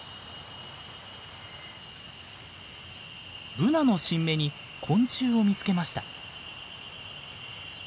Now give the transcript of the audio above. ブナの新芽に昆虫を見つけました。